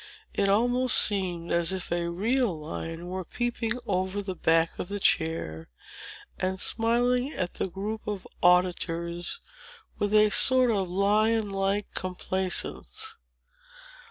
It almost seemed as if a real lion were peeping over the back of the chair, and smiling at the group of auditors, with a sort of lion like complaisance.